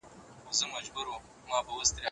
تاسي باید هره شېبه له نوې ټکنالوژۍ څخه زده کړه وکړئ.